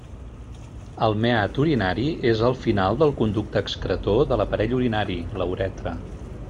El meat urinari és el final del conducte excretor de l'aparell urinari, la uretra.